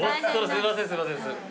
すいませんすいません。